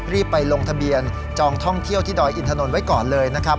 รีบไปลงทะเบียนจองท่องเที่ยวที่ดอยอินทนนท์ไว้ก่อนเลยนะครับ